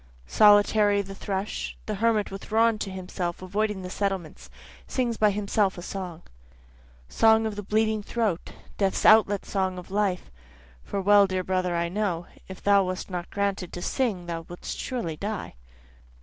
Solitary the thrush, The hermit withdrawn to himself, avoiding the settlements, Sings by himself a song. Song of the bleeding throat, Death's outlet song of life, (for well dear brother I know, If thou wast not granted to sing thou wouldst surely die.)